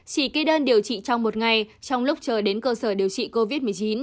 chỉ kê đơn điều trị trong một ngày trong lúc chờ đến cơ sở điều trị covid một mươi chín